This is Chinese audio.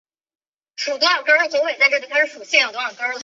米埃朗。